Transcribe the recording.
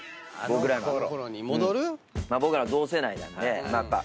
僕ら同世代なんで。